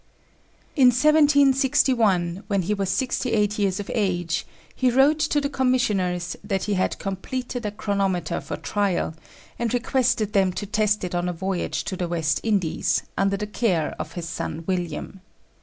In 1761, when he was sixty eight years of age, he wrote to the commissioners that he had completed a chronometer for trial, and requested them to test it on a voyage to the West Indies, under the care of his son William.